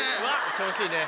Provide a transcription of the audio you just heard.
調子いいね！